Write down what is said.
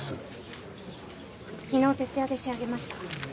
昨日徹夜で仕上げました。